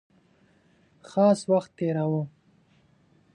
خاص وخت تېراوه.